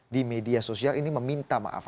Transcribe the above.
di media sosial ini meminta maaf